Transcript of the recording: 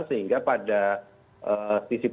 sehingga pada sisi positifnya